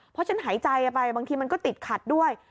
เพราะฉันหายใจไปบางทีมันก็ติดขัดด้วย